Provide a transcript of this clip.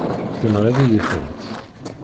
Tenɣiḍ-iyi-tent.